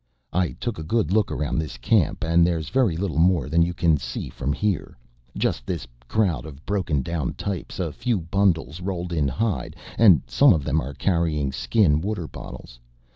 "I took a good look around this camp, and there's very little more than you can see from here. Just this crowd of broken down types, a few bundles rolled in hide, and some of them are carrying skin water bottles.